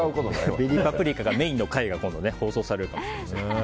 紅パプリカがメインの回が放送されるかも。